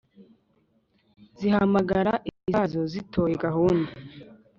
Zihamagara izazo, Zitoye gahunda,